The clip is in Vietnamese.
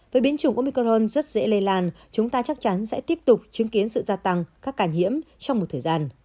với biến chủng omicron rất dễ lây lan chúng ta chắc chắn sẽ tiếp tục chứng kiến sự gia tăng các ca nhiễm trong một thời gian